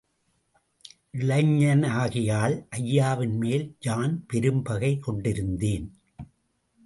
இளைஞனாகையால் ஐயாவின் மேல் யான் பெரும்பகை கொண்டிருந்தேன்.